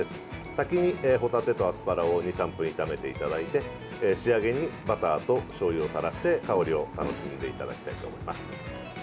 先にホタテとアスパラを２３分炒めていただいて仕上げにバターとしょうゆを垂らして香りを楽しんでいただきたいと思います。